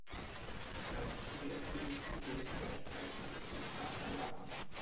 Während des Koreakrieges befehligte er Streitkräfte in Osaka, Japan.